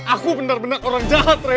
aku benar benar orang jahat rey